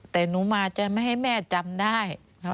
แต่หนูมาจะไม่ให้แม่จำได้